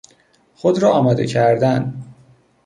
خود را آماده کردن